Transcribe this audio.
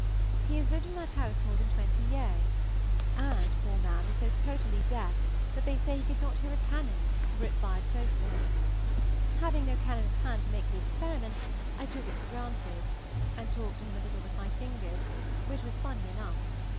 He has lived in that house more than twenty years, and, poor man! is so totally deaf that they say he could not hear a cannon, were it fired close to him; having no cannon at hand to make the experiment, I took it for granted, and talked to him a little with my fingers, which was funny enough.